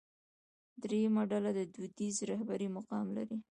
درېیمه ډله د دودیزې رهبرۍ مقام لري.